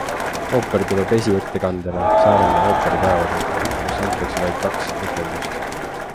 Ooper tuleb esiettekandele Saaremaa ooperipäevade, kus antakse vaid kaks etendust.